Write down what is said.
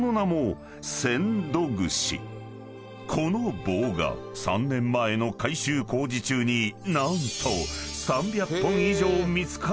［この棒が３年前の改修工事中に何と］